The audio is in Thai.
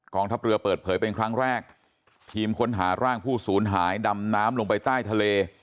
ทัพเรือเปิดเผยเป็นครั้งแรกทีมค้นหาร่างผู้สูญหายดำน้ำลงไปใต้ทะเล